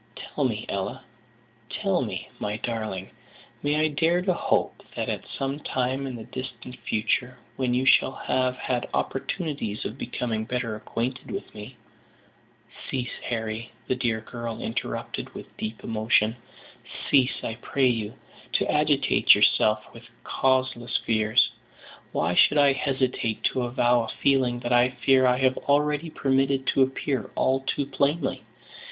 "Tell me, Ella, tell me, my darling, may I dare to hope that at some time in the distant future, when you shall have had opportunities of becoming better acquainted with me " "Cease, Harry," the dear girl interrupted, with deep emotion, "cease, I pray you, to agitate yourself with causeless fears. Why should I hesitate to avow a feeling that I fear I have already permitted to appear all too plainly.